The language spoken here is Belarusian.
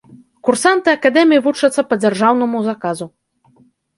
Курсанты акадэміі вучацца па дзяржаўнаму заказу.